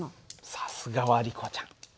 さすがはリコちゃん。